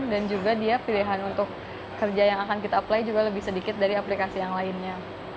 dan juga dia pilihan untuk kerja yang akan kita apply juga lebih sedikit dari aplikasi lainnya